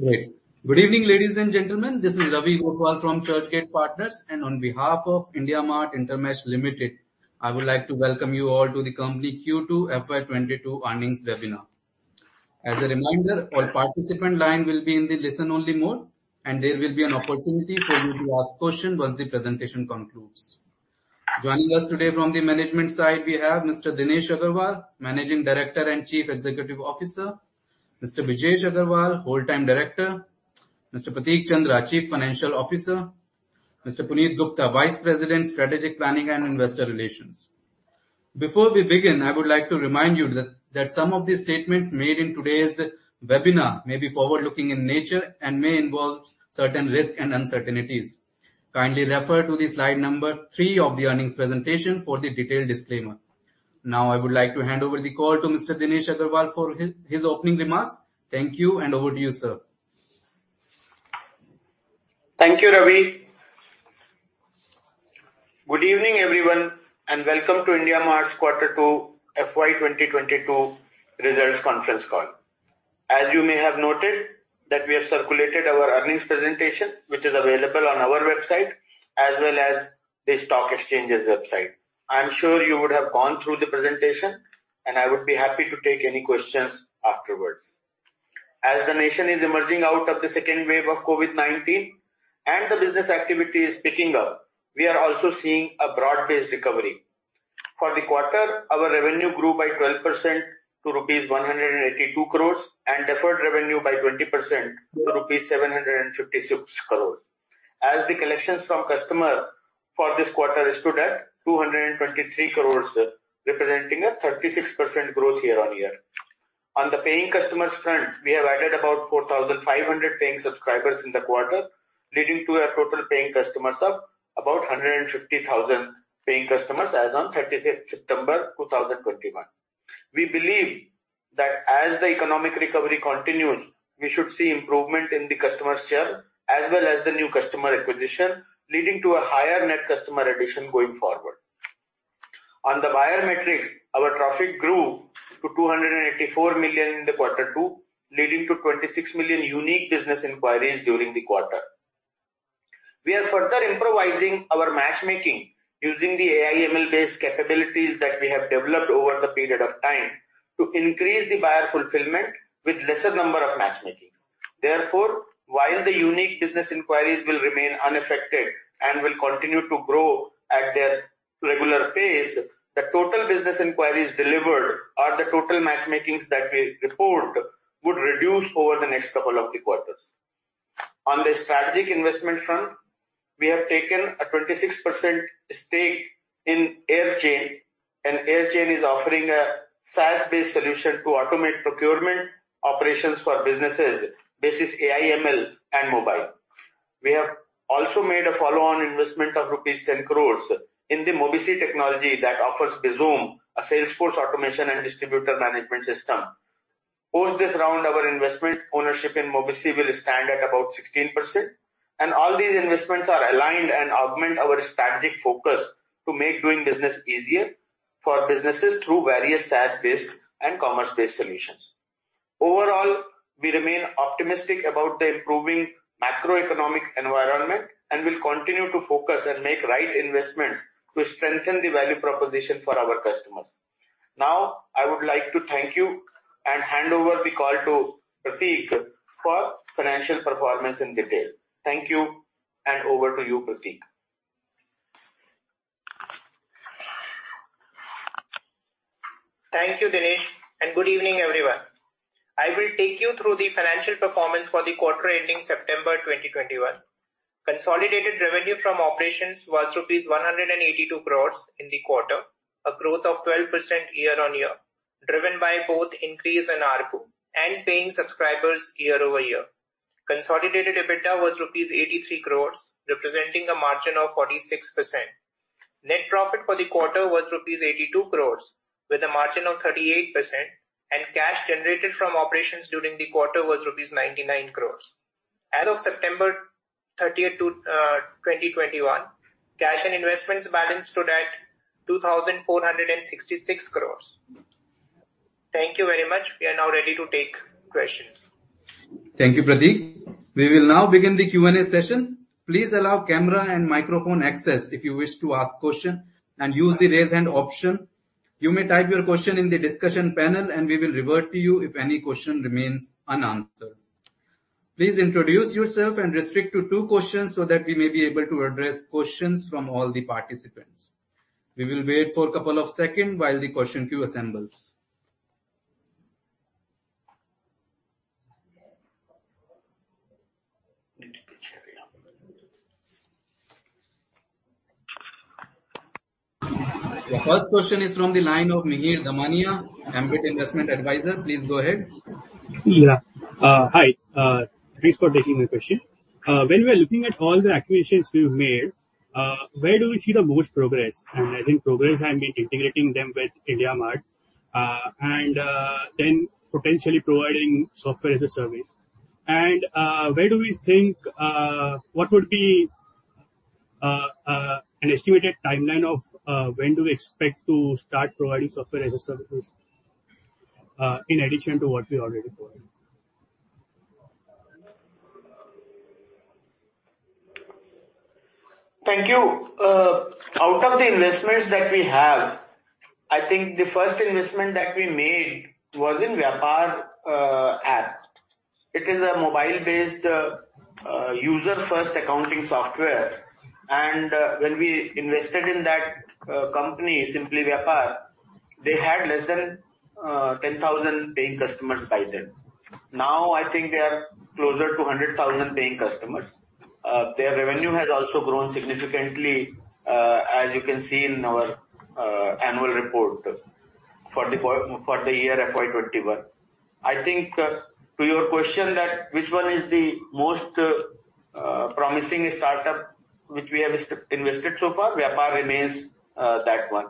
Great. Good evening, ladies and gentlemen. This is Ravi Gothwal from Churchgate Partners, and on behalf of IndiaMART InterMESH Limited, I would like to welcome you all to the company Q2 FY 2022 earnings webinar. As a reminder, all participant line will be in the listen only mode, and there will be an opportunity for you to ask question once the presentation concludes. Joining us today from the management side, we have Mr. Dinesh Agarwal, Managing Director and Chief Executive Officer. Mr. Brijesh Agrawal, Whole-time Director. Mr. Prateek Chandra, Chief Financial Officer. Mr. Puneet Gupta, Vice President, Strategic Planning and Investor Relations. Before we begin, I would like to remind you that some of the statements made in today's webinar may be forward-looking in nature and may involve certain risks and uncertainties. Kindly refer to the slide number three of the earnings presentation for the detailed disclaimer. Now I would like to hand over the call to Mr. Dinesh Agarwal for his opening remarks. Thank you. Over to you, sir. Thank you, Ravi. Good evening, everyone, and welcome to IndiaMART's Quarter 2 FY 2022 results conference call. You may have noted that we have circulated our earnings presentation, which is available on our website as well as the stock exchanges website. I'm sure you would have gone through the presentation, and I would be happy to take any questions afterwards. The nation is emerging out of the second wave of COVID-19 and the business activity is picking up, we are also seeing a broad-based recovery. For the quarter, our revenue grew by 12% to rupees 182 crore, and deferred revenue by 20% to rupees 756 crore. The collections from customer for this quarter stood at 223 crore, representing a 36% growth year-on-year. On the paying customers front, we have added about 4,500 paying subscribers in the quarter, leading to a total paying customers of about 150,000 paying customers as on 30th September 2021. We believe that as the economic recovery continues, we should see improvement in the customer share as well as the new customer acquisition, leading to a higher net customer addition going forward. On the buyer metrics, our traffic grew to 284 million in the quarter two, leading to 26 million unique business inquiries during the quarter. We are further improvising our matchmaking using the AI/ML-based capabilities that we have developed over the period of time to increase the buyer fulfillment with lesser number of matchmakings. While the unique business inquiries will remain unaffected and will continue to grow at their regular pace, the total business inquiries delivered or the total matchmakings that we report would reduce over the next couple of the quarters. On the strategic investment front, we have taken a 26% stake in Aerchain. Aerchain is offering a SaaS-based solution to automate procurement operations for businesses basis AI/ML and mobile. We have also made a follow-on investment of rupees 10 crore in the Mobisy technology that offers Bizom, a sales force automation and distributor management system. Post this round our investment ownership in Mobisy will stand at about 16%. All these investments are aligned and augment our strategic focus to make doing business easier for businesses through various SaaS-based and commerce-based solutions. Overall, we remain optimistic about the improving macroeconomic environment and will continue to focus and make right investments to strengthen the value proposition for our customers. I would like to thank you and hand over the call to Prateek for financial performance in detail. Thank you, and over to you, Prateek. Thank you, Dinesh, and good evening, everyone. I will take you through the financial performance for the quarter ending September 2021. Consolidated revenue from operations was rupees 182 crore in the quarter, a growth of 12% year-on-year, driven by both increase in ARPU and paying subscribers year-over-year. Consolidated EBITDA was rupees 83 crore, representing a margin of 46%. Net profit for the quarter was rupees 82 crore with a margin of 38%, and cash generated from operations during the quarter was rupees 99 crore. As of September 30th, 2021, cash and investments balance stood at 2,466 crore. Thank you very much. We are now ready to take questions. Thank you, Prateek. We will now begin the Q&A session. Please allow camera and microphone access if you wish to ask question, and use the raise hand option. You may type your question in the discussion panel, and we will revert to you if any question remains unanswered. Please introduce yourself and restrict to two questions so that we may be able to address questions from all the participants. We will wait for a couple of second while the question queue assembles. The first question is from the line of Mihir Damania, Ambit Investment Advisors. Please go ahead. Yeah. Hi. Thanks for taking my question. When we are looking at all the acquisitions you've made, where do we see the most progress? As in progress, I mean integrating them with IndiaMART, and then potentially providing software as a service. What would be an estimated timeline of when do we expect to start providing software as a service, in addition to what we already provide. Thank you. Out of the investments that we have, I think the first investment that we made was in Vyapar app. It is a mobile-based user-first accounting software. When we invested in that company, Simply Vyapar, they had less than 10,000 paying customers by then. Now, I think they are closer to 100,000 paying customers. Their revenue has also grown significantly, as you can see in our annual report for the year FY 2021. I think to your question that which one is the most promising startup which we have invested so far, Vyapar remains that one.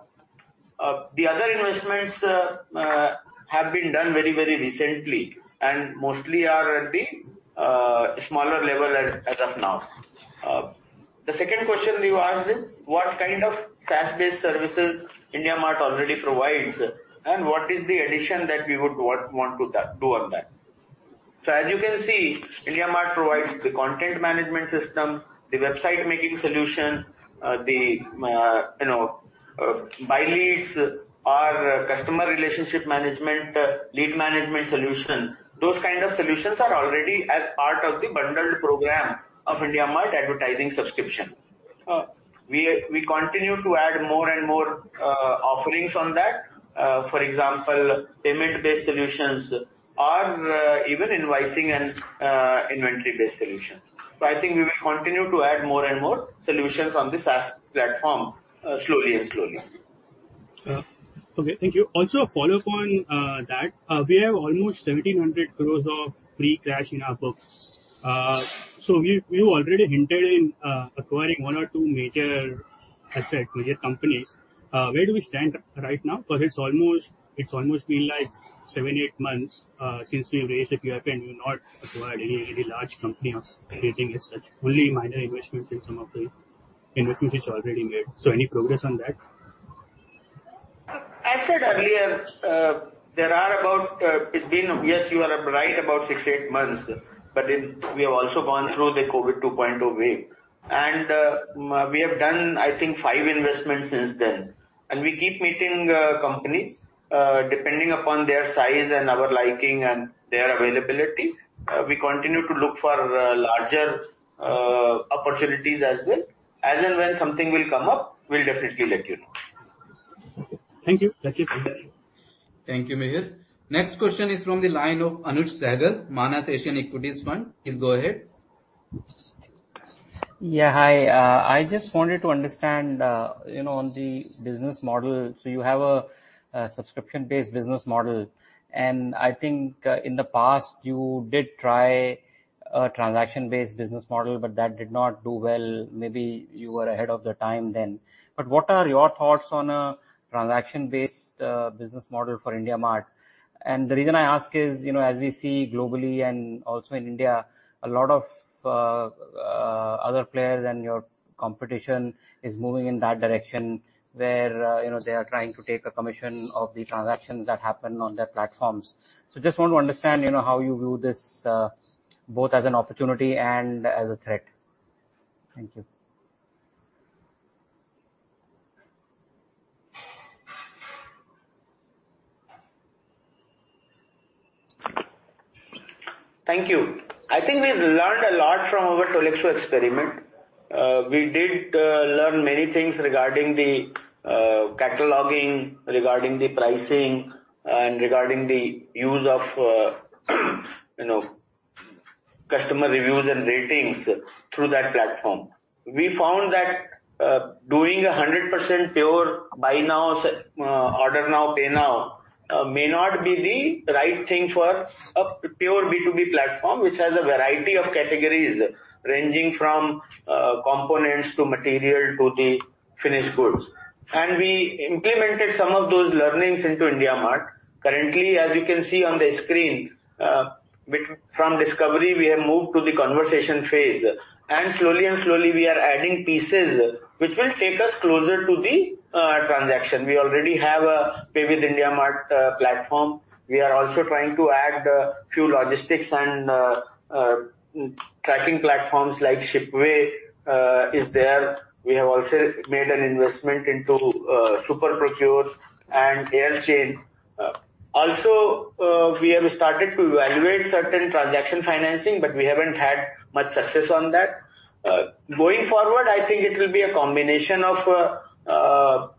The other investments have been done very recent and mostly are at the smaller level as of now. The second question you asked is what kind of SaaS-based services IndiaMART already provides and what is the addition that we would want to do on that. As you can see, IndiaMART provides the content management system, the website-making solution, the Lead Manager or customer relationship management, lead management solution. Those kind of solutions are already as part of the bundled program of IndiaMART advertising subscription. We continue to add more and more offerings on that. For example, payment-based solutions or even invoicing and inventory-based solutions. I think we will continue to add more and more solutions on the SaaS platform slowly and slowly. Okay. Thank you. A follow-up on that. We have almost 1,700 crore of free cash in our books. You already hinted in acquiring one or two major assets, major companies. Where do we stand right now? It's almost been seven, eight months since we raised the QIP and you've not acquired any large company or anything as such, only minor investments in some of the investments you already made. Any progress on that? As said earlier, yes, you are right about six, eight months, but we have also gone through the COVID 2.0 wave. We have done, I think, five investments since then. We keep meeting companies, depending upon their size and our liking and their availability. We continue to look for larger opportunities as well. As and when something will come up, we'll definitely let you know. Okay. Thank you. That's it from my end. Thank you, Mihir. Next question is from the line of Anuj Sehgal, Manas Asian Equities Value Fund. Please go ahead. Yeah. Hi. I just wanted to understand on the business model. You have a subscription-based business model, and I think in the past you did try a transaction-based business model, but that did not do well. Maybe you were ahead of the time then. What are your thoughts on a transaction-based business model for IndiaMART? The reason I ask is, as we see globally and also in India, a lot of other players and your competition is moving in that direction where they are trying to take a commission of the transactions that happen on their platforms. Just want to understand how you view this, both as an opportunity and as a threat. Thank you. Thank you. I think we've learned a lot from our Tolexo experiment. We did learn many things regarding the cataloging, regarding the pricing, and regarding the use of customer reviews and ratings through that platform. We found that doing 100% pure buy now, order now, pay now may not be the right thing for a pure B2B platform which has a variety of categories ranging from components to material to the finished goods. We implemented some of those learnings into IndiaMART. Currently, as you can see on the screen, from discovery we have moved to the conversation phase. Slowly we are adding pieces which will take us closer to the transaction. We already have a Pay with IndiaMART platform. We are also trying to add a few logistics and tracking platforms like Shipway is there. We have also made an investment into SuperProcure and Aerchain. We have started to evaluate certain transaction financing, but we haven't had much success on that. Going forward, I think it will be a combination of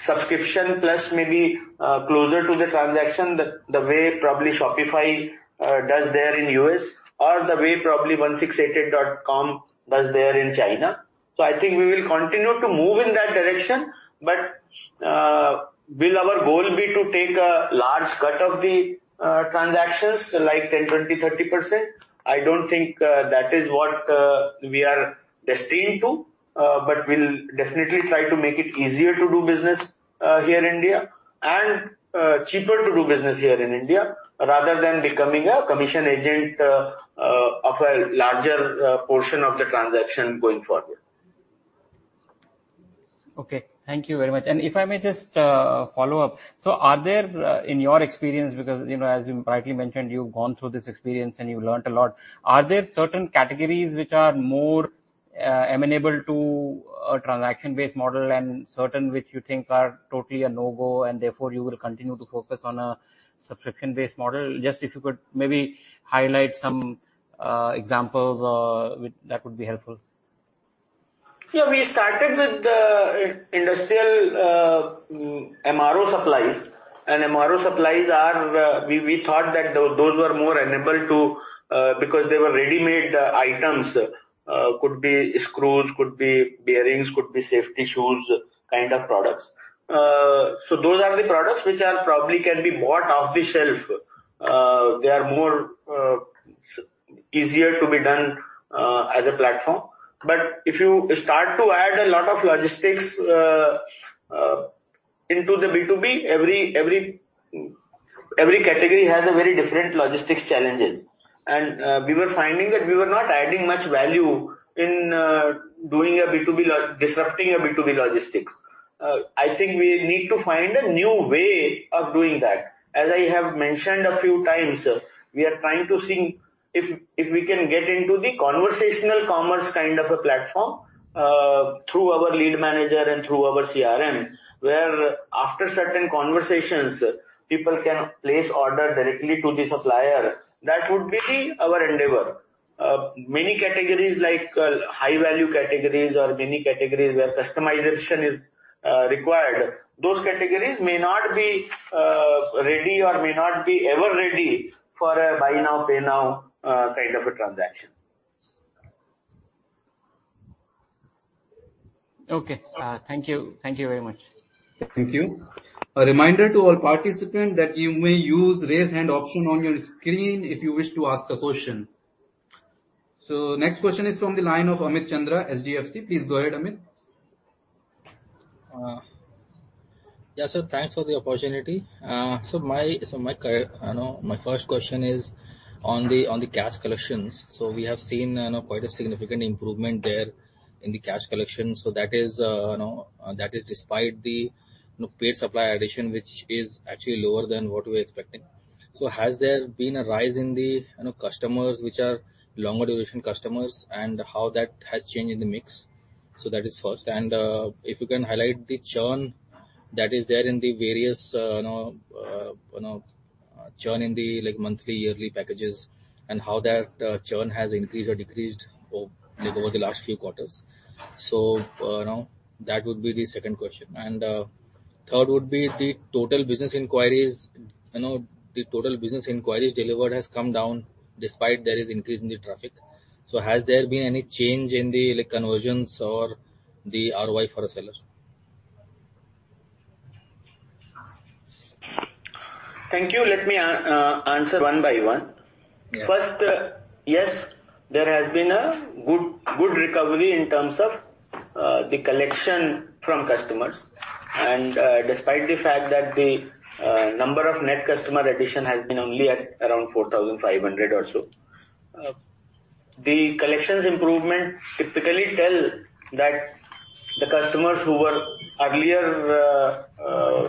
subscription plus maybe closer to the transaction, the way probably Shopify does there in the U.S. or the way probably 1688.com does there in China. I think we will continue to move in that direction. Will our goal be to take a large cut of the transactions, like 10%, 20%, 30%? I don't think that is what we are destined to, but we'll definitely try to make it easier to do business here in India. Cheaper to do business here in India rather than becoming a commission agent of a larger portion of the transaction going forward. Okay. Thank you very much. If I may just follow up. Are there, in your experience, because as you rightly mentioned, you've gone through this experience and you've learnt a lot, are there certain categories which are more amenable to a transaction-based model and certain which you think are totally a no-go and therefore you will continue to focus on a subscription-based model? Just if you could maybe highlight some examples, that would be helpful. We started with the industrial MRO supplies. MRO supplies, we thought that those were more amenable to because they were ready-made items. Could be screws, could be bearings, could be safety shoes kind of products. Those are the products which probably can be bought off the shelf. They are easier to be done as a platform. If you start to add a lot of logistics into the B2B, every category has a very different logistics challenges. We were finding that we were not adding much value in disrupting a B2B logistics. I think we need to find a new way of doing that. As I have mentioned a few times, we are trying to see if we can get into the conversational commerce kind of a platform, through our Lead Manager and through our CRM, where after certain conversations, people can place order directly to the supplier. That would be our endeavor. Many categories like high-value categories or many categories where customization is required, those categories may not be ready or may not be ever ready for a buy now, pay now kind of a transaction. Okay. Thank you. Thank you very much. Thank you. A reminder to all participants that you may use raise hand option on your screen if you wish to ask a question. Next question is from the line of Amit Chandra, HDFC. Please go ahead, Amit. Yeah. Thanks for the opportunity. My first question is on the cash collections. We have seen quite a significant improvement there in the cash collection. That is despite the paid supply addition, which is actually lower than what we're expecting. Has there been a rise in the customers which are longer duration customers and how that has changed in the mix? That is first. If you can highlight the churn that is there in the various churn in the monthly, yearly packages and how that churn has increased or decreased over the last few quarters. That would be the second question. Third would be the total business inquiries delivered has come down despite there is increase in the traffic. Has there been any change in the conversions or the ROI for a seller? Thank you. Let me answer one by one. Yeah. Yes, there has been a good recovery in terms of the collection from customers. Despite the fact that the number of net customer addition has been only at around 4,500 or so. The collections improvement typically tell that the customers who were earlier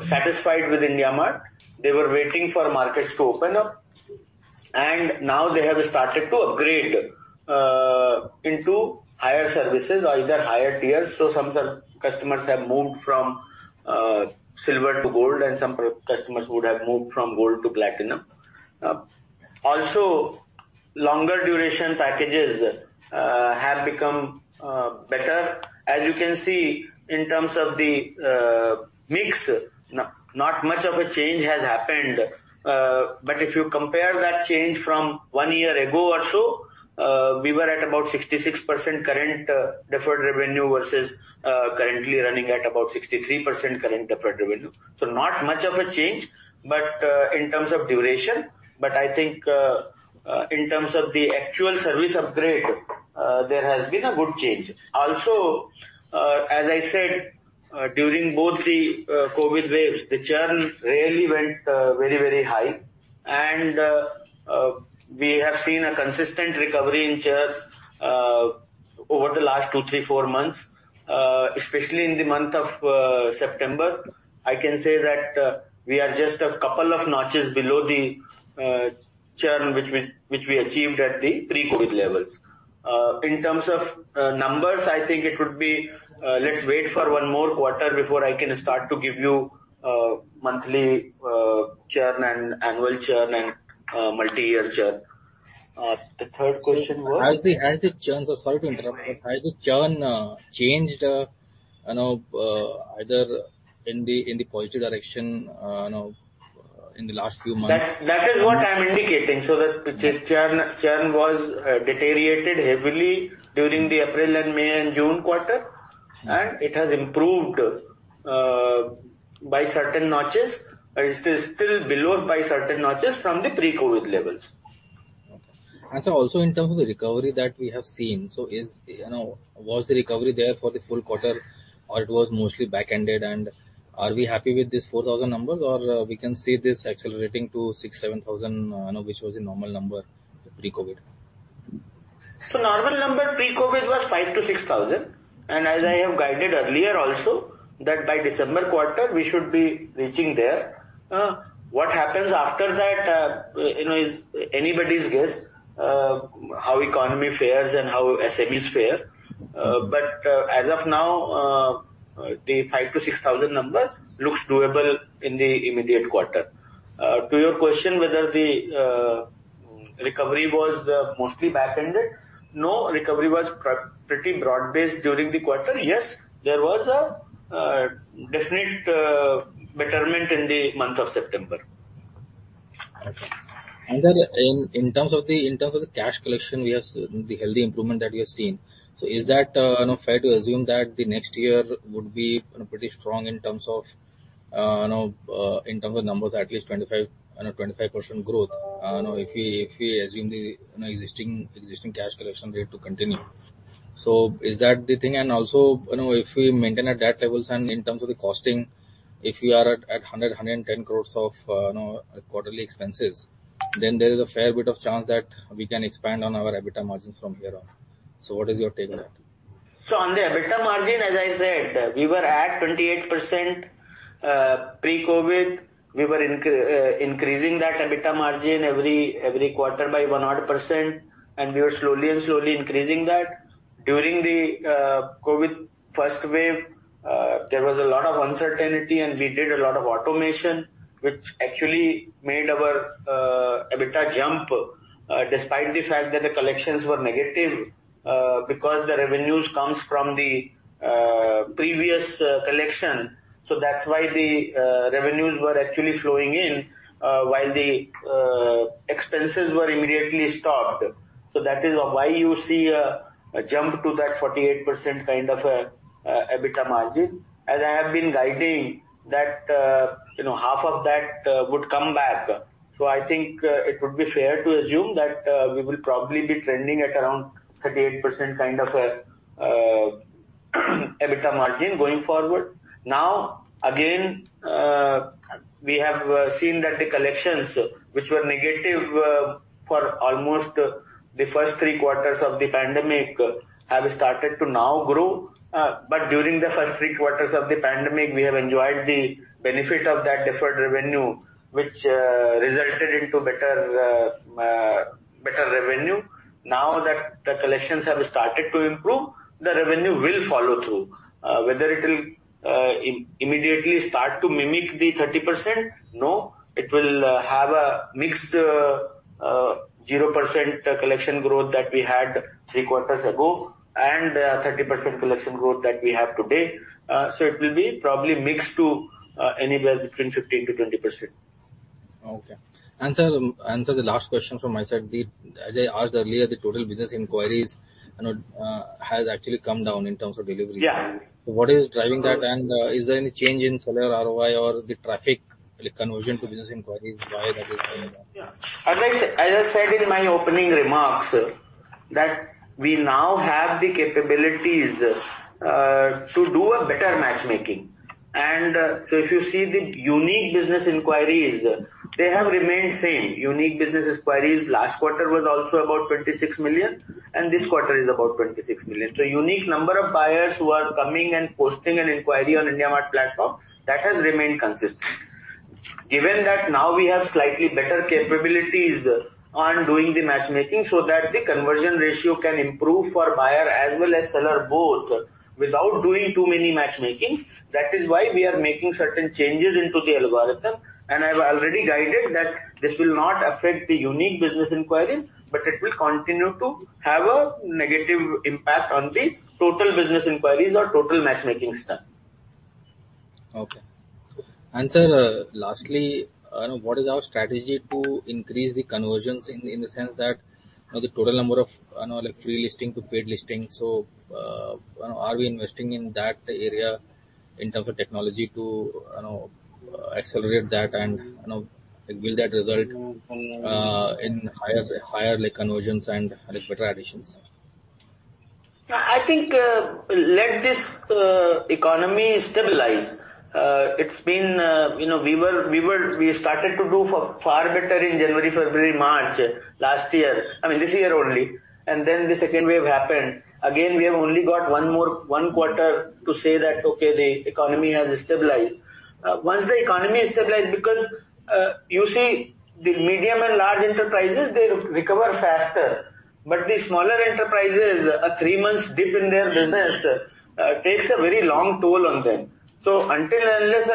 satisfied with IndiaMART, they were waiting for markets to open up, and now they have started to upgrade into higher services or either higher tiers. Some customers have moved from silver to gold, and some customers would have moved from gold to platinum. Also, longer duration packages have become better. As you can see in terms of the mix, not much of a change has happened. If you compare that change from one year ago or so, we were at about 66% current deferred revenue versus currently running at about 63% current deferred revenue. Not much of a change in terms of duration, but I think in terms of the actual service upgrade, there has been a good change. Also, as I said, during both the COVID waves, the churn really went very high. We have seen a consistent recovery in churn over the last two, three, four months, especially in the month of September. I can say that we are just a couple of notches below the churn which we achieved at the pre-COVID levels. In terms of numbers, I think it would be let's wait for one more quarter before I can start to give you monthly churn and annual churn and multi-year churn. The third question was? Sorry to interrupt, but has the churn changed either in the positive direction in the last few months? That is what I'm indicating, so that the churn was deteriorated heavily during the April, May, and June quarter, and it has improved by certain notches. It is still below it by certain notches from the pre-COVID-19 levels. Sir, also in terms of the recovery that we have seen, so was the recovery there for the full quarter, or it was mostly backended? Are we happy with this 4,000 numbers, or we can see this accelerating to 6,000-7,000, which was the normal number pre-COVID? Normal number pre-COVID was 5,000-6,000, as I have guided earlier also, that by December quarter we should be reaching there. What happens after that is anybody's guess, how economy fares and how SMEs fare. As of now, the 5,000-6,000 numbers looks doable in the immediate quarter. To your question whether the recovery was mostly backended, no, recovery was pretty broad-based during the quarter. Yes, there was a definite betterment in the month of September. Okay. Sir, in terms of the cash collection, we have the healthy improvement that we have seen. Is that fair to assume that the next year would be pretty strong in terms of numbers, at least 25% growth, if we assume the existing cash collection rate to continue. Is that the thing? Also, if we maintain at that levels and in terms of the costing, if we are at 100, 110 crore of quarterly expenses, then there is a fair bit of chance that we can expand on our EBITDA margins from here on. What is your take on that? On the EBITDA margin, as I said, we were at 28% pre-COVID-19. We were increasing that EBITDA margin every quarter by odd 1%, and we were slowly increasing that. During the COVID-19 first wave, there was a lot of uncertainty, and we did a lot of automation, which actually made our EBITDA jump despite the fact that the collections were negative because the revenues comes from the previous collection. That’s why the revenues were actually flowing in while the expenses were immediately stopped. That is why you see a jump to that 48% kind of EBITDA margin. As I have been guiding that half of that would come back. I think it would be fair to assume that we will probably be trending at around 38% kind of EBITDA margin going forward. Again, we have seen that the collections which were negative for almost the first three quarters of the pandemic have started to now grow. During the first three quarters of the pandemic, we have enjoyed the benefit of that deferred revenue, which resulted into better revenue. Now that the collections have started to improve, the revenue will follow through. Whether it will immediately start to mimic the 30%? No. It will have a mixed 0% collection growth that we had three quarters ago and a 30% collection growth that we have today. It will be probably mixed to anywhere between 15%-20%. Okay. Sir, the last question from my side. As I asked earlier, the total business inquiries has actually come down in terms of delivery. Yeah. What is driving that, and is there any change in seller ROI or the traffic conversion to business inquiries, why that is coming down? As I said in my opening remarks, that we now have the capabilities to do a better matchmaking. If you see the unique business inquiries, they have remained same. Unique business inquiries last quarter was also about 26 million, and this quarter is about 26 million. Unique number of buyers who are coming and posting an inquiry on IndiaMART platform, that has remained consistent. Given that now we have slightly better capabilities on doing the matchmaking so that the conversion ratio can improve for buyer as well as seller both without doing too many matchmakings, that is why we are making certain changes into the algorithm. I've already guided that this will not affect the unique business inquiries, but it will continue to have a negative impact on the total business inquiries or total matchmaking stuff. Okay. Sir, lastly, what is our strategy to increase the conversions in the sense that the total number of free listing to paid listing? Are we investing in that area in terms of technology to accelerate that, and will that result in higher conversions and better additions? I think, let this economy stabilize. We started to do far better in January, February, March this year only, and then the second wave happened. We have only got one quarter to say that, okay, the economy has stabilized. Once the economy is stabilized, because you see, the medium and large enterprises, they recover faster. The smaller enterprises, a three months dip in their business takes a very long toll on them. Until and unless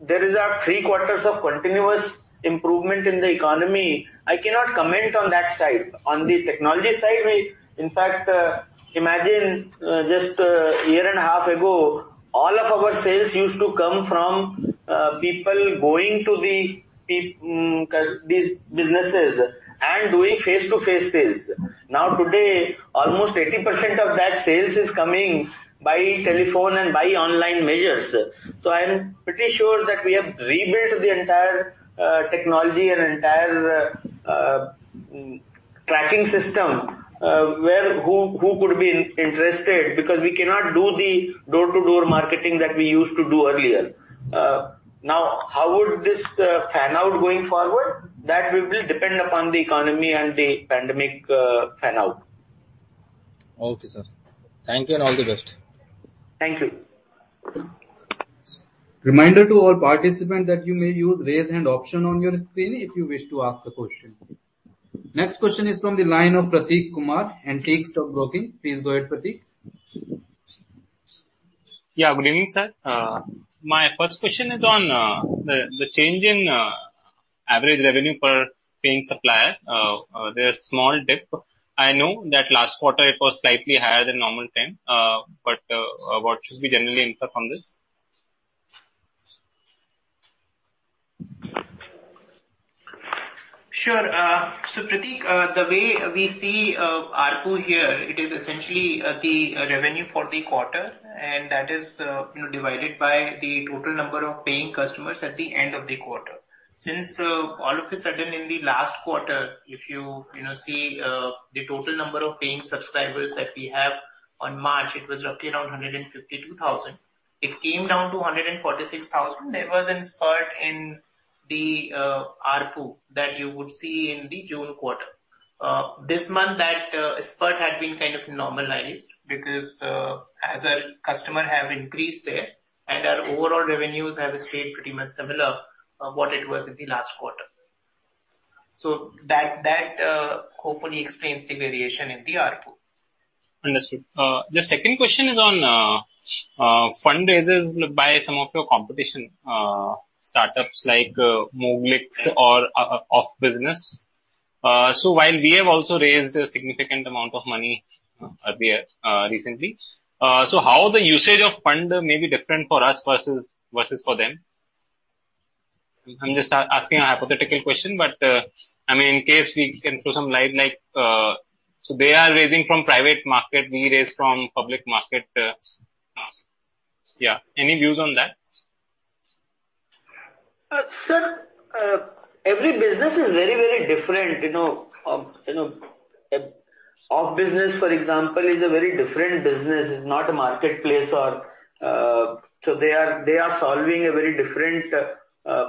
there is a three quarters of continuous improvement in the economy, I cannot comment on that side. On the technology side, in fact, imagine just a year and a half ago, all of our sales used to come from people going to these businesses and doing face-to-face sales. Today, almost 80% of that sales is coming by telephone and by online measures. I am pretty sure that we have rebuilt the entire technology and entire tracking system, who could be interested because we cannot do the door-to-door marketing that we used to do earlier. How would this pan out going forward? That will depend upon the economy and the pandemic pan out. Okay, sir. Thank you, and all the best. Thank you. Reminder to all participants that you may use raise hand option on your screen if you wish to ask a question. Next question is from the line of Prateek Kumar, Antique Stock Broking. Please go ahead, Prateek. Yeah. Good evening, sir. My first question is on the change in average revenue per paying supplier. There's small dip. I know that last quarter it was slightly higher than normal time. What should we generally infer from this? Sure. Prateek, the way we see ARPU here, it is essentially the revenue for the quarter, and that is divided by the total number of paying customers at the end of the quarter. All of a sudden in the last quarter, if you see the total number of paying subscribers that we have on March, it was roughly around 152,000. It came down to 146,000. There was a spurt in the ARPU that you would see in the June quarter. This month, that spurt had been kind of normalized because as our customer have increased there, and our overall revenues have stayed pretty much similar what it was in the last quarter. That hopefully explains the variation in the ARPU. Understood. The second question is on fundraisers by some of your competition, startups like Moglix or OfBusiness. While we have also raised a significant amount of money recently, how the usage of fund may be different for us versus for them? I'm just asking a hypothetical question, in case we can throw some light. They are raising from private market, we raise from public market. Any views on that? Sir, every business is very, very different. OfBusiness, for example, is a very different business. It's not a marketplace. They are solving a very different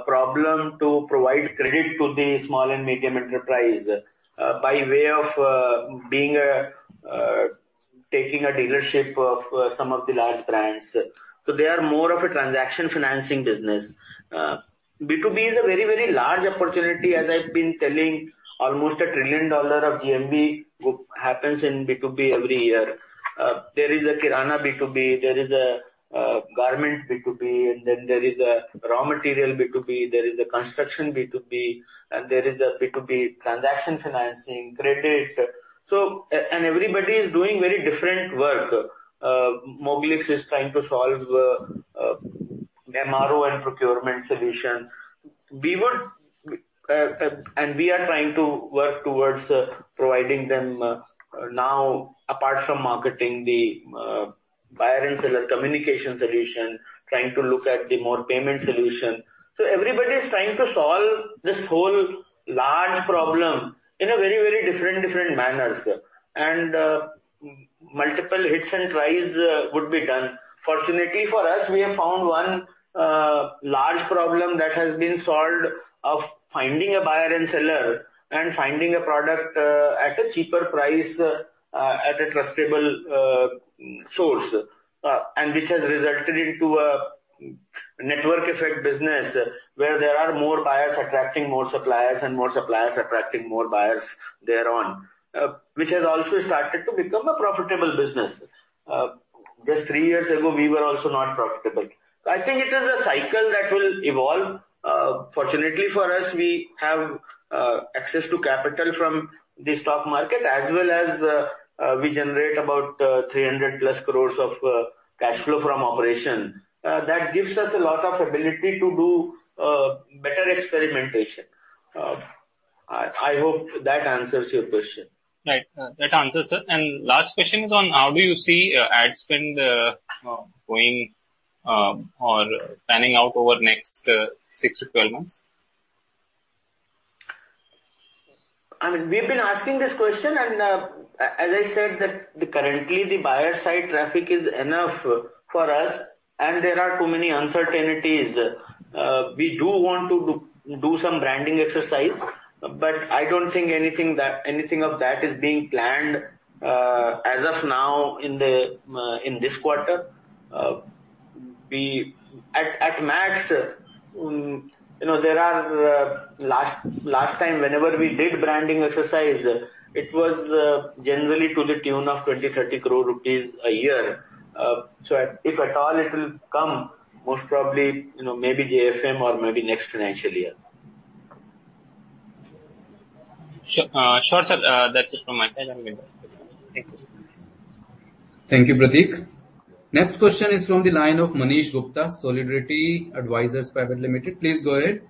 problem to provide credit to the small and medium enterprise, by way of taking a dealership of some of the large brands. They are more of a transaction financing business. B2B is a very, very large opportunity. As I've been telling, almost INR 1 trillion of GMV happens in B2B every year. There is a Kirana B2B, there is a garment B2B, and then there is a raw material B2B. There is a construction B2B, and there is a B2B transaction financing credit. Everybody is doing very different work. Moglix is trying to solve MRO and procurement solution. We are trying to work towards providing them now apart from marketing, the buyer and seller communication solution, trying to look at the more payment solution. Everybody is trying to solve this whole large problem in a very, very different manners. Multiple hits and tries would be done. Fortunately for us, we have found one large problem that has been solved of finding a buyer and seller and finding a product at a cheaper price, at a trustable source. Which has resulted into a network effect business where there are more buyers attracting more suppliers and more suppliers attracting more buyers thereon, which has also started to become a profitable business. Just three years ago, we were also not profitable. I think it is a cycle that will evolve. Fortunately for us, we have access to capital from the stock market as well as we generate about 300+ crore of cash flow from operation. That gives us a lot of ability to do better experimentation. I hope that answers your question. Right. That answers it. Last question is on how do you see ad spend going or panning out over next 6-12 months? We've been asking this question. As I said, currently the buyer-side traffic is enough for us and there are too many uncertainties. We do want to do some branding exercise. I don't think anything of that is being planned as of now in this quarter. At max, last time whenever we did branding exercise, it was generally to the tune of 20 crore-30 crore rupees a year. If at all it will come, most probably maybe JFM or maybe next financial year. Sure, sir. That's it from my side. Thank you. Thank you, Prateek. Next question is from the line of Manish Gupta, Solidarity Advisors Private Limited. Please go ahead.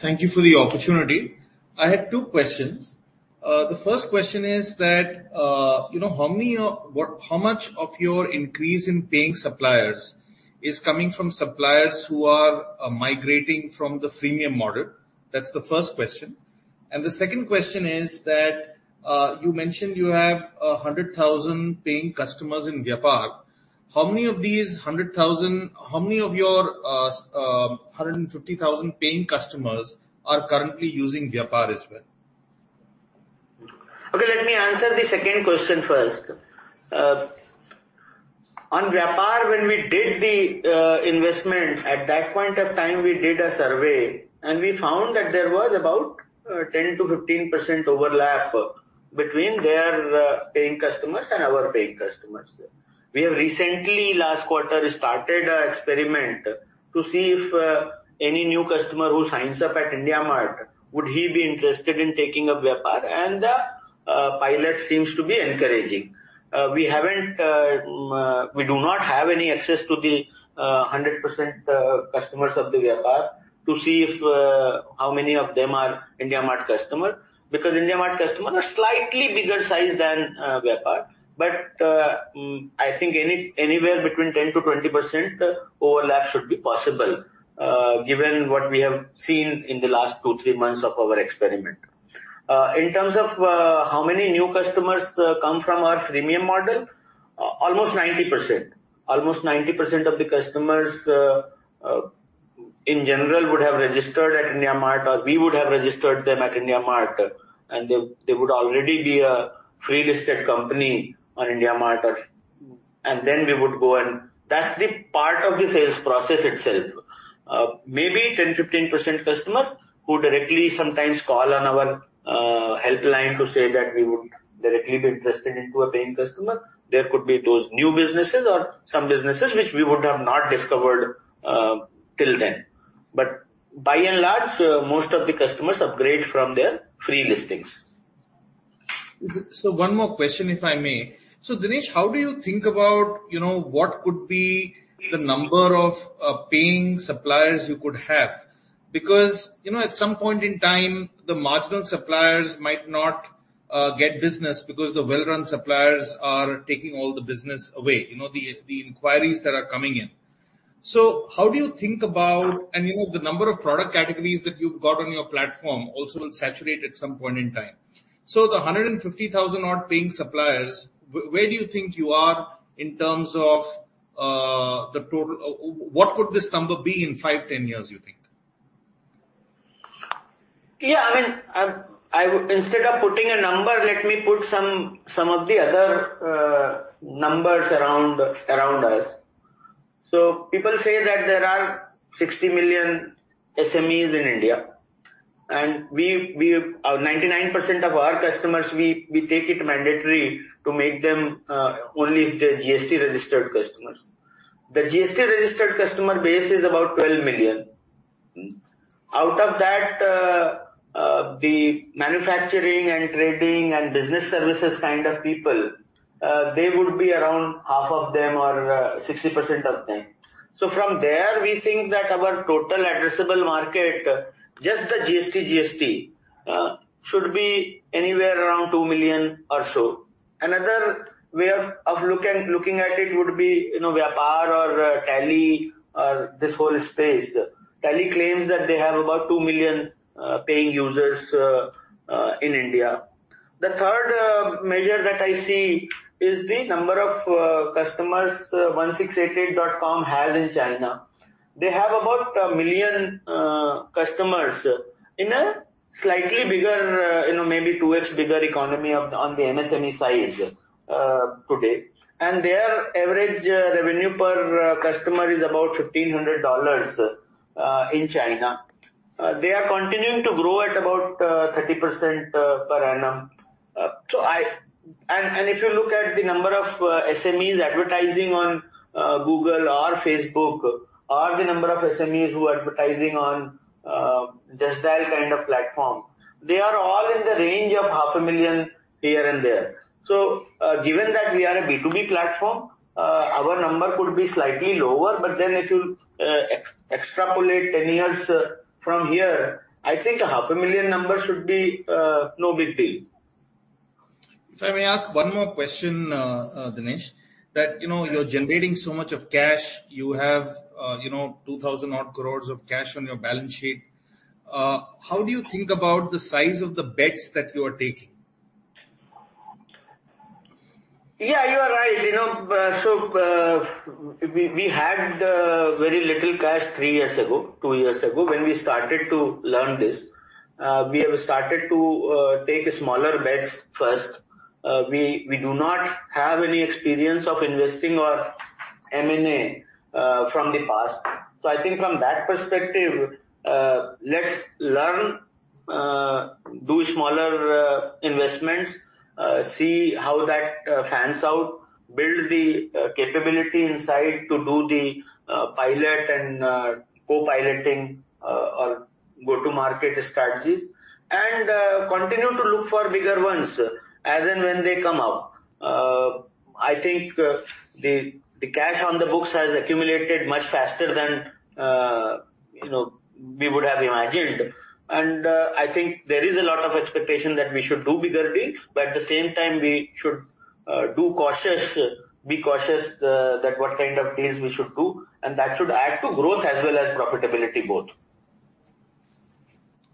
Thank you for the opportunity. I had two questions. The first question is that how much of your increase in paying suppliers is coming from suppliers who are migrating from the freemium model? That's the first question. The second question is that you mentioned you have 100,000 paying customers in Vyapar. How many of your 150,000 paying customers are currently using Vyapar as well? Let me answer the second question first. On Vyapar, when we did the investment, at that point of time, we did a survey, and we found that there was about 10%-15% overlap between their paying customers and our paying customers. We have recently, last quarter, started an experiment to see if any new customer who signs up at IndiaMART, would he be interested in taking up Vyapar, and the pilot seems to be encouraging. We do not have any access to the 100% customers of the Vyapar to see how many of them are IndiaMART customer, because IndiaMART customers are slightly bigger size than Vyapar. I think anywhere between 10%-20% overlap should be possible, given what we have seen in the last two, three months of our experiment. In terms of how many new customers come from our freemium model, almost 90%. Almost 90% of the customers in general would have registered at IndiaMART or we would have registered them at IndiaMART, and they would already be a free-listed company on IndiaMART. Then we would go, and that's the part of the sales process itself. Maybe 10%-15% customers who directly sometimes call on our helpline to say that we would directly be interested into a paying customer, there could be those new businesses or some businesses which we would have not discovered till then. By and large, most of the customers upgrade from their free listings. One more question, if I may. Dinesh, how do you think about what could be the number of paying suppliers you could have? Because at some point in time, the marginal suppliers might not get business because the well-run suppliers are taking all the business away, the inquiries that are coming in. The number of product categories that you've got on your platform also will saturate at some point in time. The 150,000 odd paying suppliers, where do you think you are in terms of the total-- what could this number be in five, 10 years, you think? Instead of putting a number, let me put some of the other numbers around us. People say that there are 60 million SMEs in India, and 99% of our customers, we take it mandatory to make them only if they're GST-registered customers. The GST-registered customer base is about 12 million. Out of that, the manufacturing and trading and business services kind of people, they would be around half of them or 60% of them. From there, we think that our total addressable market, just the GST, should be anywhere around two million or so. Another way of looking at it would be Vyapar or Tally or this whole space. Tally claims that they have about two million paying users in India. The third measure that I see is the number of customers 1688.com has in China. They have about one million customers in a slightly bigger, maybe 2x bigger economy on the MSME size today. Their average revenue per customer is about $1,500 in China. They are continuing to grow at about 30% per annum. If you look at the number of SMEs advertising on Google or Facebook, or the number of SMEs who are advertising on Justdial kind of platform, they are all in the range of 0.5 million here and there. Given that we are a B2B platform, our number could be slightly lower, if you extrapolate 10 years from here, I think a 0.5 million number should be no big deal. If I may ask one more question, Dinesh. That you're generating so much of cash, you have 2,000 odd crore of cash on your balance sheet. How do you think about the size of the bets that you are taking? Yeah, you are right. We had very little cash three years ago, two years ago, when we started to learn this. We have started to take smaller bets first. We do not have any experience of investing or M&A from the past. I think from that perspective, let's learn, do smaller investments, see how that pans out, build the capability inside to do the pilot and co-piloting or go-to market strategies, and continue to look for bigger ones as and when they come up. I think the cash on the books has accumulated much faster than we would have imagined. I think there is a lot of expectation that we should do bigger deals, but at the same time, we should be cautious that what kind of deals we should do, and that should add to growth as well as profitability both.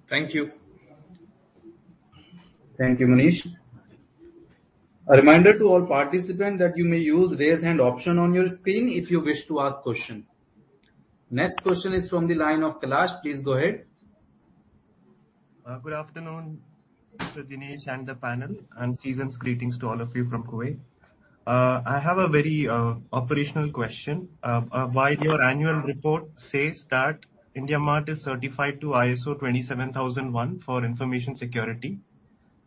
Thank you. Thank you, Manish. A reminder to all participants that you may use raise hand option on your screen if you wish to ask question. Next question is from the line of Kailash. Please go ahead. Good afternoon, Mr. Dinesh and the panel, and seasons greetings to all of you from Kuwait. I have a very operational question. While your annual report says that IndiaMART is certified to ISO 27001 for information security,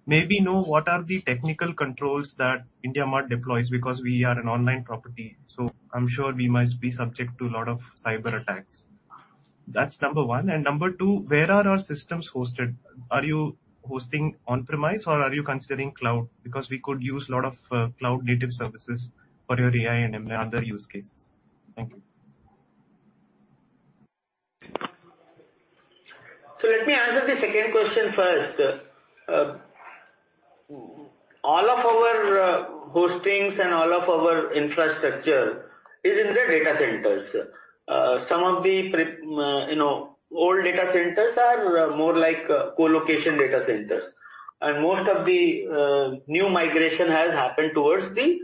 may we know what are the technical controls that IndiaMART deploys? We are an online property, so I'm sure we must be subject to a lot of cyber attacks. That's number one. Number two, where are our systems hosted? Are you hosting on-premise or are you considering cloud? We could use a lot of cloud-native services for your AI and ML and other use cases. Thank you. Let me answer the second question first. All of our hostings and all of our infrastructure is in the data centers. Some of the old data centers are more like colocation data centers. Most of the new migration has happened towards the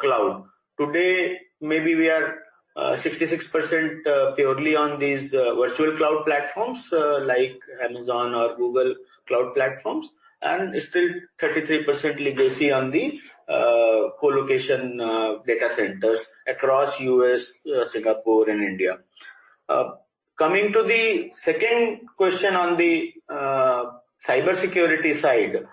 cloud. Today, maybe we are 66% purely on these virtual cloud platforms like Amazon or Google Cloud platforms, and still 33% legacy on the colocation data centers across U.S., Singapore, and India. Coming to the second question on the cybersecurity side.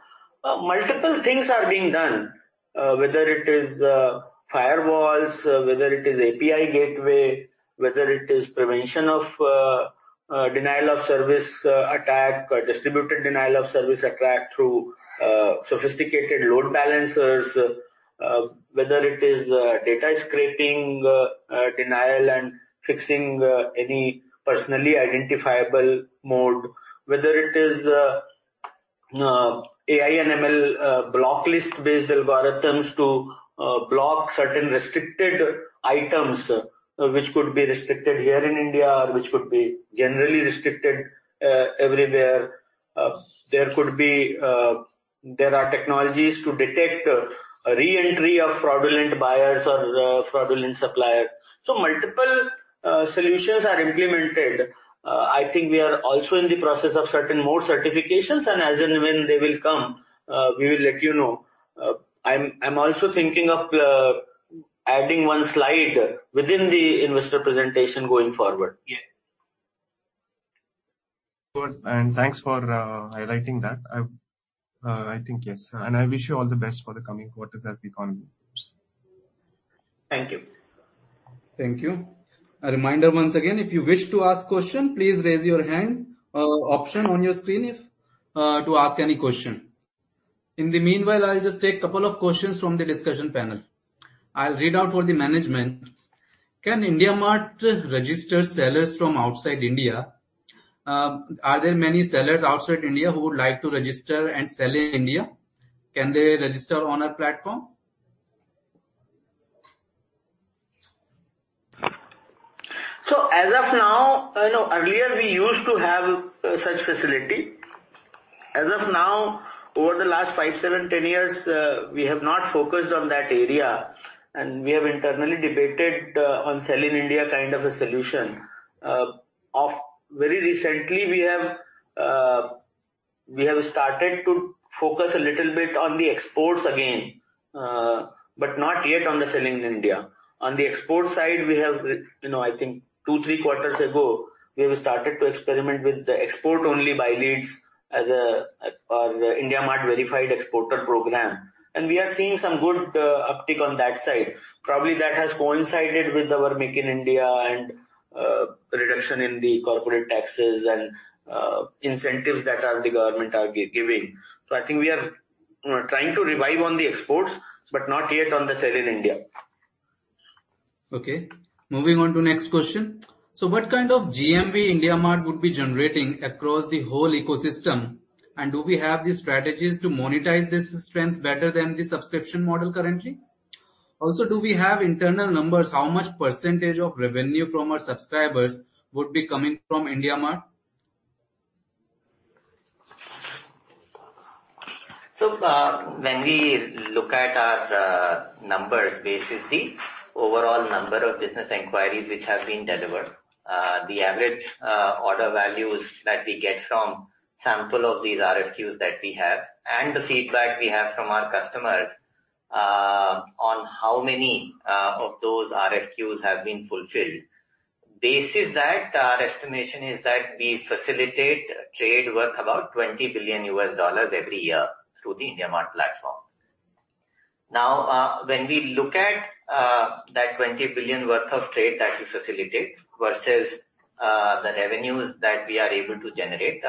Multiple things are being done, whether it is firewalls, whether it is API gateway, whether it is prevention of denial of service attack or distributed denial of service attack through sophisticated load balancers, whether it is data scraping denial, and fixing any personally identifiable mode, whether it is AI/ML blocklist-based algorithms to block certain restricted items, which could be restricted here in India or which could be generally restricted everywhere. There are technologies to detect re-entry of fraudulent buyers or fraudulent suppliers. Multiple solutions are implemented. I think we are also in the process of certain more certifications, and as and when they will come, we will let you know. I'm also thinking of adding one slide within the investor presentation going forward. Good. Thanks for highlighting that. I think, yes. I wish you all the best for the coming quarters as the economy improves. Thank you. Thank you. A reminder once again, if you wish to ask question, please raise your hand option on your screen to ask any question. In the meanwhile, I'll just take a couple of questions from the discussion panel. I'll read out for the management. Can IndiaMART register sellers from outside India? Are there many sellers outside India who would like to register and sell in India? Can they register on a platform? Earlier we used to have such facility. As of now, over the last five, seven, 10 years, we have not focused on that area, and we have internally debated on sell in India kind of a solution. Very recently, we have started to focus a little bit on the exports again, but not yet on the sell in India. On the export side, I think two, three quarters ago, we have started to experiment with the export-only buy leads as our IndiaMART Verified Exporter program, and we are seeing some good uptick on that side. Probably that has coincided with our Make in India and reduction in the corporate taxes and incentives that the government are giving. I think we are trying to revive on the exports, but not yet on the sell in India. Okay. Moving on to next question. What kind of GMV IndiaMART would be generating across the whole ecosystem, and do we have the strategies to monetize this strength better than the subscription model currently? Do we have internal numbers, how much % of revenue from our subscribers would be coming from IndiaMART? When we look at our numbers, basis the overall number of business inquiries which have been delivered, the average order values that we get from sample of these RFQs that we have, and the feedback we have from our customers on how many of those RFQs have been fulfilled. Basis that, our estimation is that we facilitate trade worth about $20 billion every year through the IndiaMART platform. That $20 billion worth of trade that we facilitate versus the revenues that we are able to generate.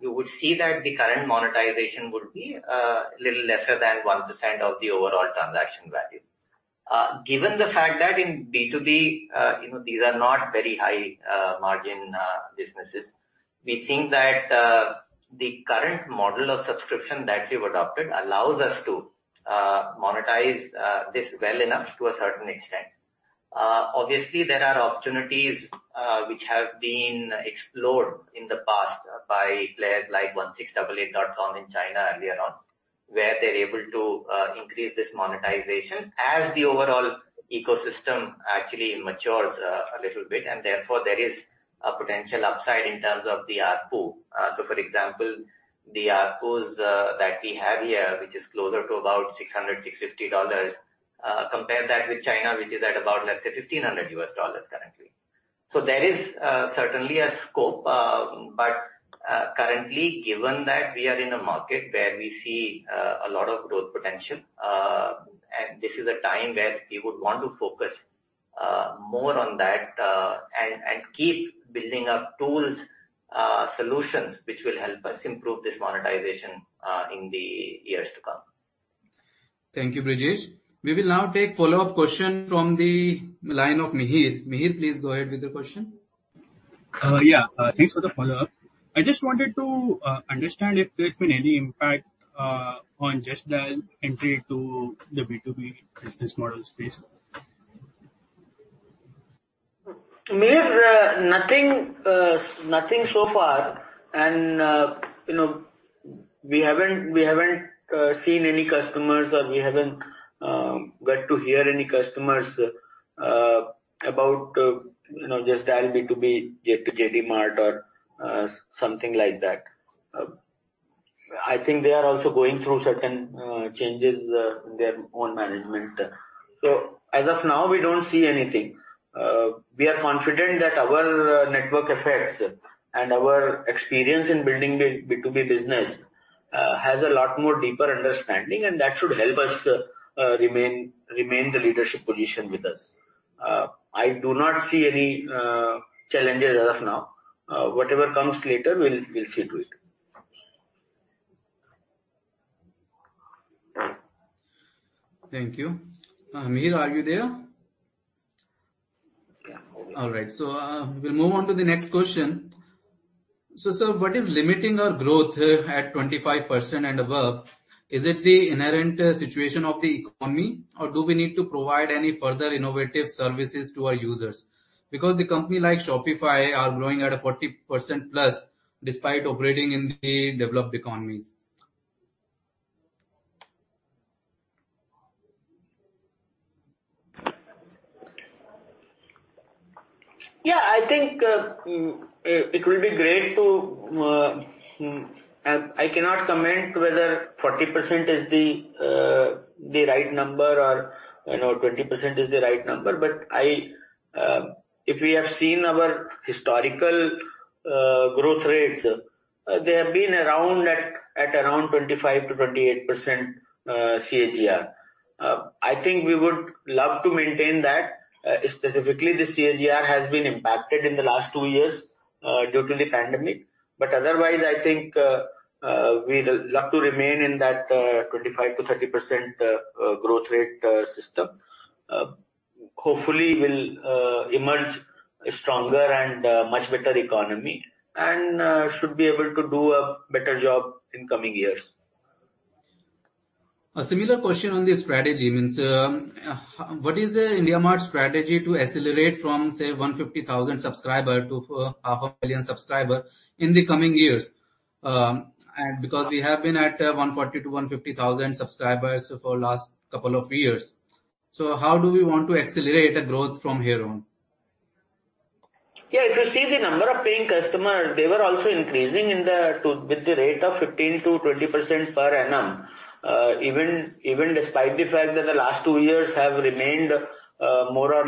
You would see that the current monetization would be a little lesser than 1% of the overall transaction value. Given the fact that in B2B these are not very high margin businesses, we think that the current model of subscription that we've adopted allows us to monetize this well enough to a certain extent. Obviously, there are opportunities which have been explored in the past by players like 1688.com in China and beyond, where they're able to increase this monetization as the overall ecosystem actually matures a little bit, and therefore there is a potential upside in terms of the ARPU. For example, the ARPUs that we have here, which is closer to about $600, $650, compare that with China, which is at about, let's say, $1,500 currently. There is certainly a scope, but currently, given that we are in a market where we see a lot of growth potential, and this is a time where we would want to focus more on that, and keep building up tools, solutions which will help us improve this monetization in the years to come. Thank you, Dinesh. We will now take follow-up question from the line of Mihir. Mihir, please go ahead with your question. Yeah. Thanks for the follow-up. I just wanted to understand if there's been any impact on Justdial entry to the B2B business model space. Mihir, nothing so far. We haven't seen any customers or we haven't got to hear any customers about Justdial B2B yet to [JD Mart] or something like that. I think they are also going through certain changes in their own management. As of now, we don't see anything. We are confident that our network effects and our experience in building B2B business has a lot more deeper understanding, and that should help us remain the leadership position with us. I do not see any challenges as of now. Whatever comes later, we'll see to it. Thank you. Mihir, are you there? All right. We'll move on to the next question. Sir, what is limiting our growth here at 25% and above? Is it the inherent situation of the economy, or do we need to provide any further innovative services to our users? The company like Shopify are growing at a 40%+ despite operating in the developed economies. I think it will be great. I cannot comment whether 40% is the right number or 20% is the right number. If we have seen our historical growth rates, they have been at around 25%-28% CAGR. I think we would love to maintain that. Specifically, the CAGR has been impacted in the last two years due to the pandemic. Otherwise, I think we'd love to remain in that 25%-30% growth rate system. Hopefully, we'll emerge stronger and much better economy, and should be able to do a better job in coming years. A similar question on the strategy. What is IndiaMART's strategy to accelerate from, say, 150,000 subscribers to 500,000 million subscribers in the coming years? We have been at 140 to 150,000 subscribers for last couple of years. How do we want to accelerate the growth from here on? If you see the number of paying customers, they were also increasing with the rate of 15%-20% per annum. Even despite the fact that the last two years have remained more or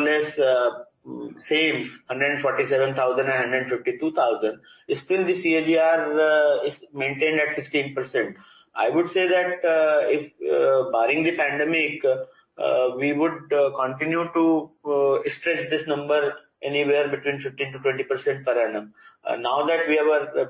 less same, 147,000 and 152,000, still the CAGR is maintained at 16%. I would say that barring the pandemic, we would continue to stretch this number anywhere between 15%-20% per annum. Now that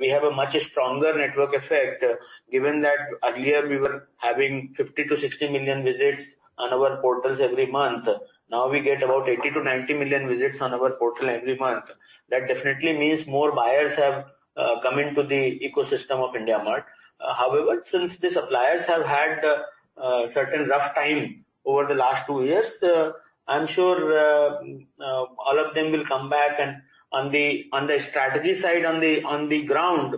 we have a much stronger network effect, given that earlier we were having 50 million-60 million visits on our portals every month. Now we get about 80 million-90 million visits on our portal every month. That definitely means more buyers have come into the ecosystem of IndiaMART. Since the suppliers have had a certain rough time over the last two years, I'm sure all of them will come back, and on the strategy side, on the ground,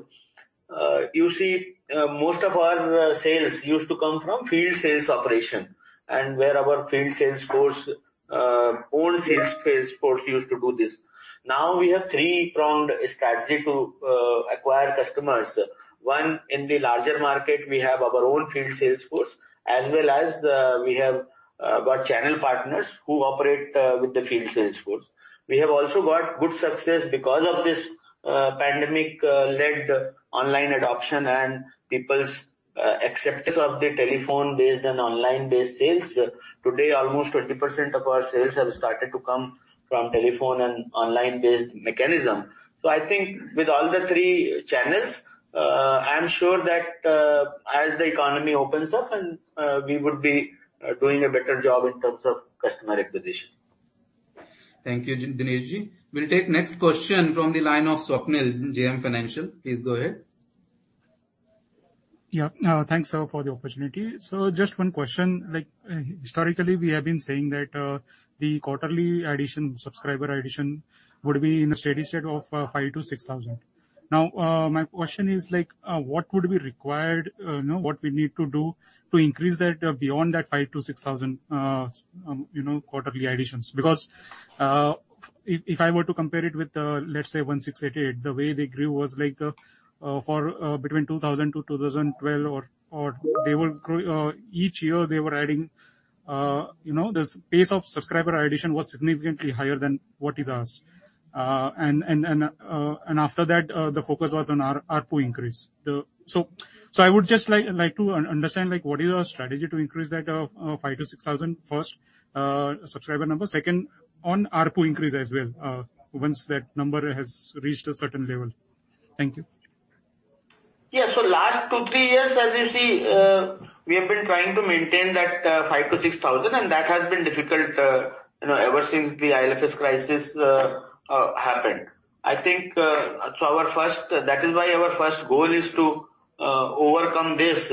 you see most of our sales used to come from field sales operation, and where our field sales force, old field sales force used to do this. Now we have three-pronged strategy to acquire customers. One, in the larger market, we have our own field sales force, as well as we have got channel partners who operate with the field sales force. We have also got good success because of this pandemic-led online adoption and people's acceptance of the telephone-based and online-based sales. Today, almost 20% of our sales have started to come from telephone and online-based mechanism. I think with all the three channels, I am sure that as the economy opens up, we would be doing a better job in terms of customer acquisition. Thank you, Dinesh. We'll take next question from the line of Swapnil from JM Financial. Please go ahead. Thanks for the opportunity. Just one question. Historically, we have been saying that the quarterly subscriber addition would be in a steady state of 5,000 to 6,000. My question is, what would be required, what we need to do to increase that beyond that 5,000 to 6,000 quarterly additions? If I were to compare it with, let's say, 1688.com, the way they grew was between 2000-2012, the pace of subscriber addition was significantly higher than what is ours. After that, the focus was on ARPU increase. I would just like to understand, what is your strategy to increase that 5,000 to 6,000 first, subscriber number. Second, on ARPU increase as well, once that number has reached a certain level. Thank you. Yeah. Last two, three years, as you see, we have been trying to maintain that 5,000 to 6,000, and that has been difficult ever since the IL&FS crisis happened. That is why our first goal is to overcome this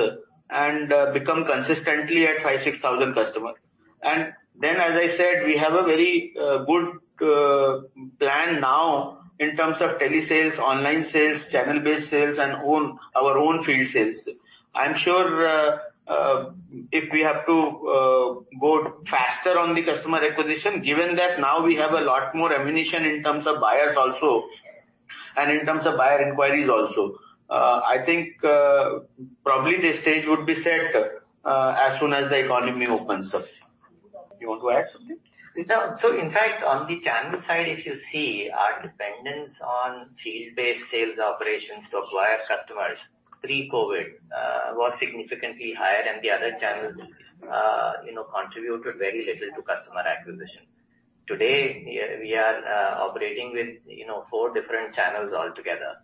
and become consistently at 5,000, 6,000 customers. As I said, we have a very good plan now in terms of telesales, online sales, channel-based sales, and our own field sales. I'm sure if we have to go faster on the customer acquisition, given that now we have a lot more ammunition in terms of buyers also and in terms of buyer inquiries also. Probably the stage would be set as soon as the economy opens up. Do you want to add something? In fact, on the channel side if you see, our dependence on field-based sales operations to acquire customers pre-COVID was significantly higher than the other channels, contributed very little to customer acquisition. Today, we are operating with four different channels altogether.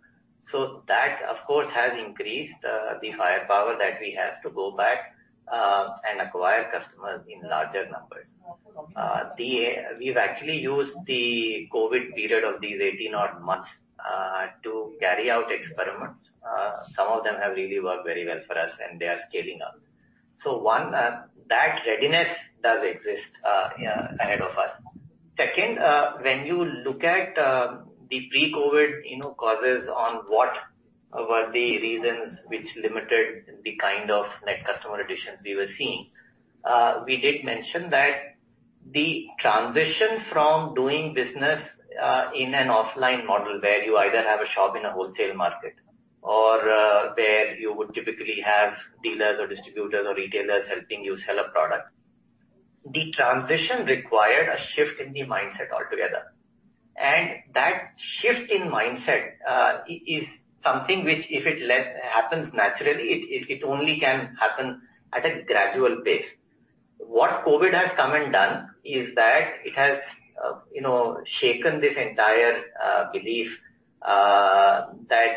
That, of course, has increased the firepower that we have to go back and acquire customers in larger numbers. We've actually used the COVID period of these 18 odd months to carry out experiments. Some of them have really worked very well for us, and they are scaling up. One, that readiness does exist ahead of us. Second, when you look at the pre-COVID causes on what were the reasons which limited the kind of net customer additions we were seeing, we did mention that the transition from doing business in an offline model where you either have a shop in a wholesale market or where you would typically have dealers or distributors or retailers helping you sell a product. The transition required a shift in the mindset altogether. That shift in mindset is something which if it happens naturally, it only can happen at a gradual pace. What COVID has come and done is that it has shaken this entire belief that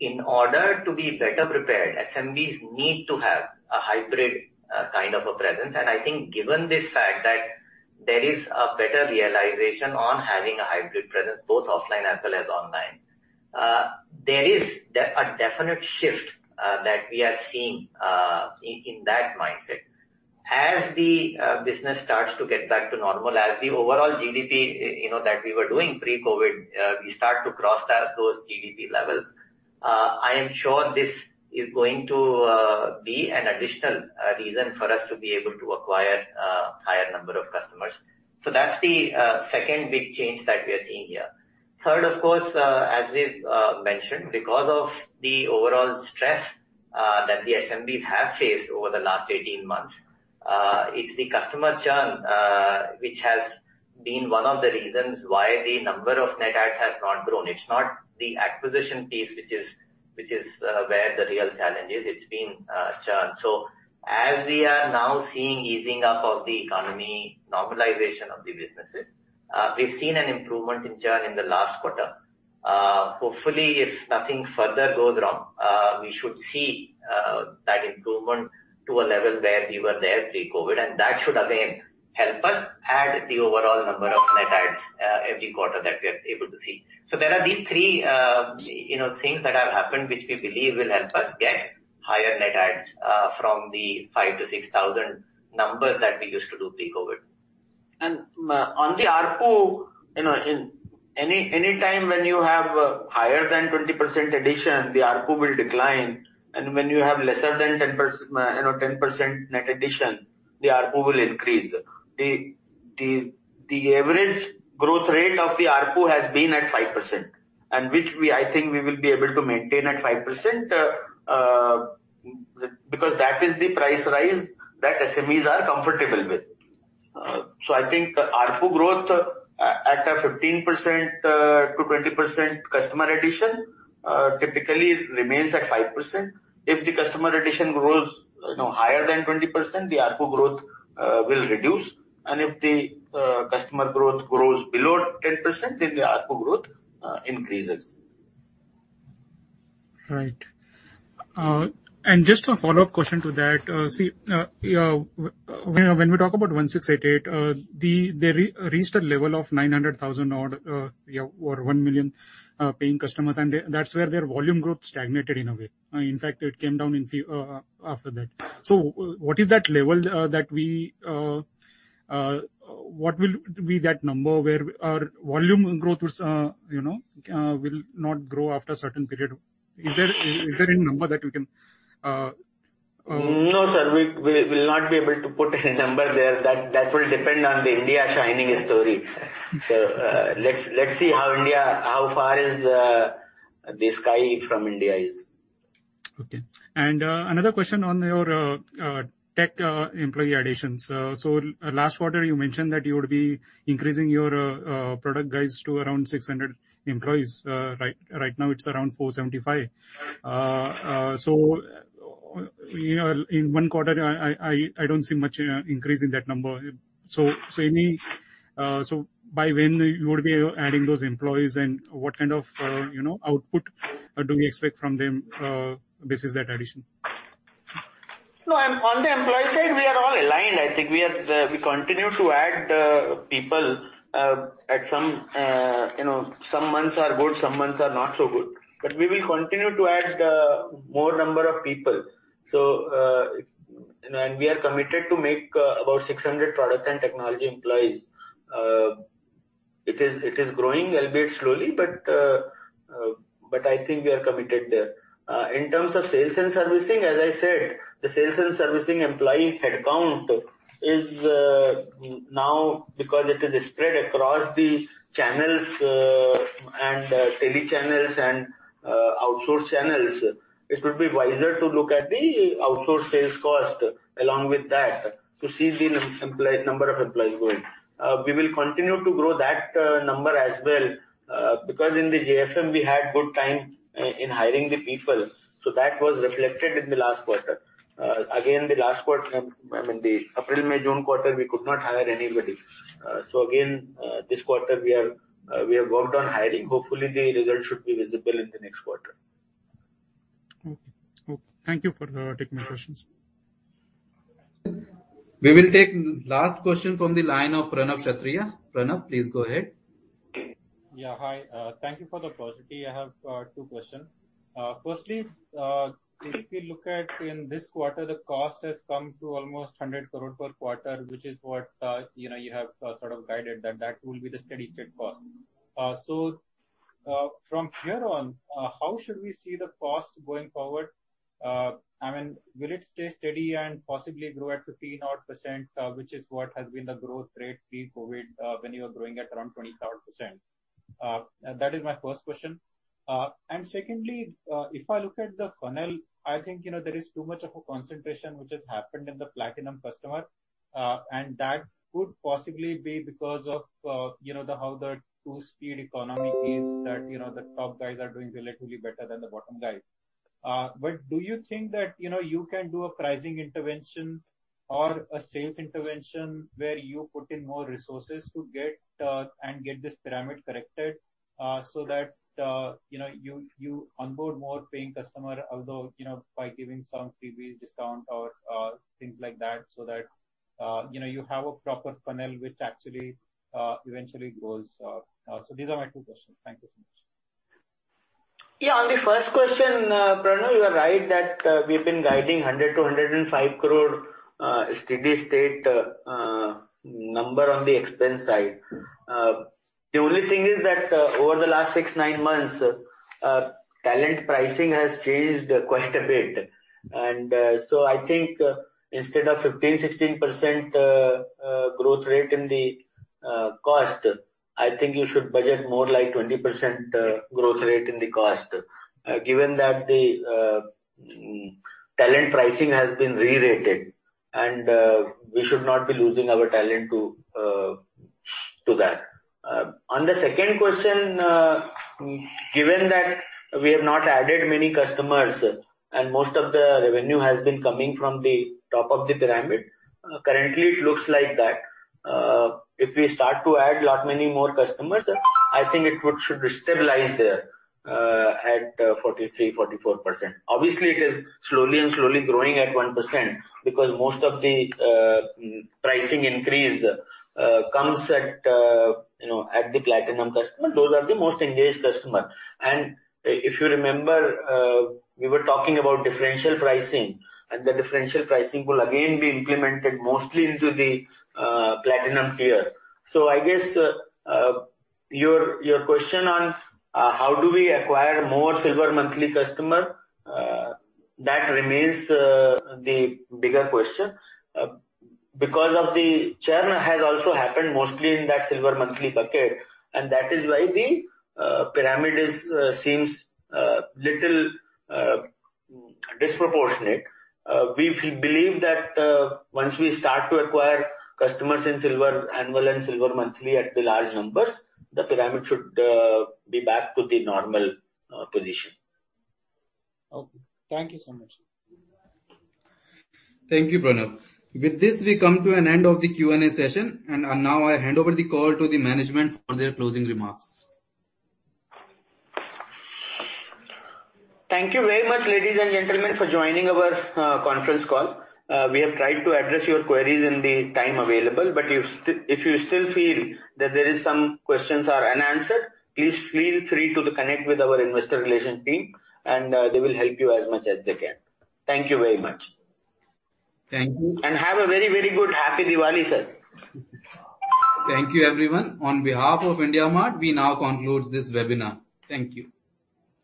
in order to be better prepared, SMBs need to have a hybrid kind of a presence. I think given this fact that there is a better realization on having a hybrid presence, both offline as well as online, there is a definite shift that we are seeing in that mindset. As the business starts to get back to normality, overall GDP that we were doing pre-COVID, we start to cross those GDP levels. I am sure this is going to be an additional reason for us to be able to acquire a higher number of customers. That's the second big change that we are seeing here. Third, of course, as we've mentioned, because of the overall stress that the SMBs have faced over the last 18 months, it's the customer churn which has been one of the reasons why the number of net adds has not grown. It's not the acquisition pace which is where the real challenge is. It's been churn. As we are now seeing easing up of the economy, normalization of the businesses, we've seen an improvement in churn in the last quarter. Hopefully, if nothing further goes wrong, we should see that improvement to a level where we were there pre-COVID, and that should again help us add the overall number of net adds every quarter that we are able to see. There are these three things that have happened which we believe will help us get higher net adds from the 5,000-6,000 numbers that we used to do pre-COVID. On the ARPU, any time when you have higher than 20% addition, the ARPU will decline. When you have lesser than 10% net addition, the ARPU will increase. The average growth rate of the ARPU has been at 5%, and which I think we will be able to maintain at 5%. Because that is the price rise that SMEs are comfortable with. I think ARPU growth at a 15%-20% customer addition typically remains at 5%. If the customer addition grows higher than 20%, the ARPU growth will reduce. If the customer growth grows below 10%, then the ARPU growth increases. Right. Just a follow-up question to that. When we talk about 1688.com, they reached a level of 900,000 or one million paying customers, and that's where their volume growth stagnated in a way. In fact, it came down after that. What will be that number where our volume growth will not grow after a certain period? Is there any number that we can? No, sir. We will not be able to put any number there. That will depend on the India shining story. Let's see how far is the sky from India is. Okay. Another question on your tech employee additions. Last quarter, you mentioned that you would be increasing your product guys to around 600 employees. Right now, it's around 475. In one quarter, I don't see much increase in that number. By when you would be adding those employees and what kind of output do we expect from them basis that addition? On the employee side, we are all aligned. I think we continue to add people. Some months are good, some months are not so good. We will continue to add more number of people. We are committed to make about 600 product and technology employees. It is growing, albeit slowly, but I think we are committed there. In terms of sales and servicing, as I said, the sales and servicing employee headcount is now, because it is spread across the channels and tele channels and outsourced channels, it would be wiser to look at the outsourced sales cost along with that to see the number of employees growing. We will continue to grow that number as well, because in the JFM, we had good time in hiring the people. That was reflected in the last quarter. Again, the last quarter, I mean, the April-May-June quarter, we could not hire anybody. Again, this quarter we have worked on hiring. Hopefully, the results should be visible in the next quarter. Okay. Thank you for taking my questions. We will take last question from the line of Pranav Kshatriya. Pranav, please go ahead. Yeah. Hi. Thank you for the opportunity. I have two questions. Firstly, if we look at in this quarter, the cost has come to almost 100 crore per quarter, which is what you have sort of guided that will be the steady-state cost. From here on, how should we see the cost going forward? I mean, will it stay steady and possibly grow at 15%-odd, which is what has been the growth rate pre-COVID, when you were growing at around 23%? That is my first question. Secondly, if I look at the funnel, I think there is too much of a concentration which has happened in the platinum customer, and that could possibly be because of how the two-speed economy is that the top guys are doing relatively better than the bottom guys. Do you think that you can do a pricing intervention or a sales intervention where you put in more resources and get this pyramid corrected so that you onboard more paying customer, although by giving some freebies, discount or things like that, so that you have a proper funnel which actually eventually grows. These are my two questions. Thank you so much. Yeah. On the first question, Pranav, you are right that we've been guiding 100 crore-105 crore steady-state number on the expense side. The only thing is that over the last six, nine months, talent pricing has changed quite a bit. So I think instead of 15%-16% growth rate in the cost, I think you should budget more like 20% growth rate in the cost. Given that the talent pricing has been re-rated, and we should not be losing our talent to that. On the second question, given that we have not added many customers and most of the revenue has been coming from the top of the pyramid, currently it looks like that. If we start to add lot many more customers, I think it should stabilize there at 43%-44%. It is slowly growing at 1%, because most of the pricing increase comes at the platinum customer. Those are the most engaged customer. If you remember, we were talking about differential pricing, and the differential pricing will again be implemented mostly into the platinum tier. I guess your question on how do we acquire more silver monthly customer, that remains the bigger question. Because of the churn has also happened mostly in that silver monthly bucket, and that is why the pyramid seems a little disproportionate. We believe that once we start to acquire customers in silver annual and silver monthly at the large numbers, the pyramid should be back to the normal position. Okay. Thank you so much. Thank you, Pranav. With this, we come to an end of the Q&A session, and now I hand over the call to the management for their closing remarks. Thank you very much, ladies and gentlemen, for joining our conference call. We have tried to address your queries in the time available, but if you still feel that there is some questions are unanswered, please feel free to connect with our investor relation team, and they will help you as much as they can. Thank you very much. Thank you. Have a very, very good Happy Diwali, sir. Thank you, everyone. On behalf of IndiaMART, we now conclude this webinar. Thank you.